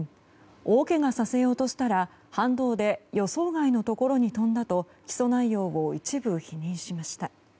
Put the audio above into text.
大けがさせようとしたら反動で予想外のところに飛んだと起訴内容を一部否認しました。